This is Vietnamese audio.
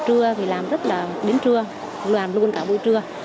trưa thì làm rất là đến trưa đoàn luôn cả buổi trưa